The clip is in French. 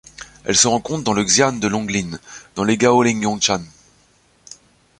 Elle se rencontre dans le xian de Longling dans les Gaoligongshan.